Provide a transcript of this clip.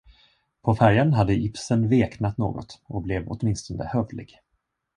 På färjan hade Ibsen veknat något och blev åtminstone hövlig.